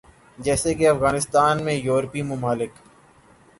جیسے کے افغانستان میں یورپی ممالک